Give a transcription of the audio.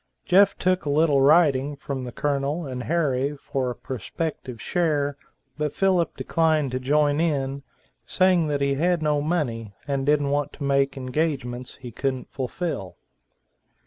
Jeff took a little writing from the Colonel and Harry for a prospective share but Philip declined to join in, saying that he had no money, and didn't want to make engagements he couldn't fulfill.